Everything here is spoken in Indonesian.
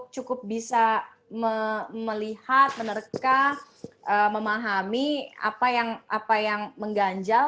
cukup bisa melihat menerka memahami apa yang mengganjal